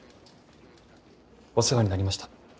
お世話になりました。